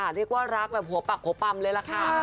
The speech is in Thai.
เรียกว่ารักแบบหัวปักหัวปำเลยล่ะค่ะ